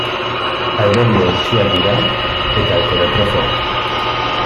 Aerobio hertsiak dira eta heterotrofoak.